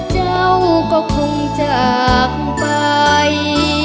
เจ้าก็คงจากไป